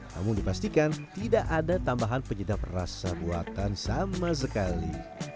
namun dipastikan tidak ada tambahan penyedap rasa buatan sama sekali